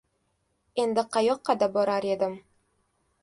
Endi qayoqqa-da borar edim.